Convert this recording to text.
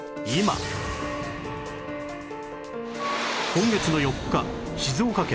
今月の４日静岡県